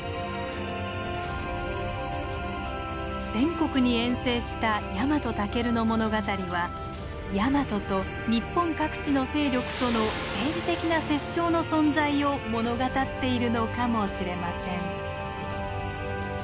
全国に遠征したヤマトタケルの物語はヤマトと日本各地の勢力との政治的な折衝の存在を物語っているのかもしれません。